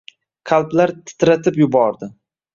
qalblar titratib yubordi.